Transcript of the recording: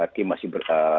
tim masih ber